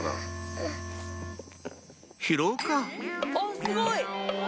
おっすごい。